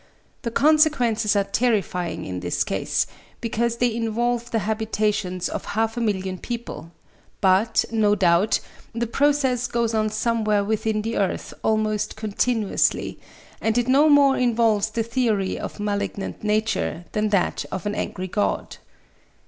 The consequences are terrifying in this case because they involve the habitations of half a million people; but, no doubt, the process goes on somewhere within the earth almost continuously, and it no more involves the theory of malignant Nature than that of an angry God.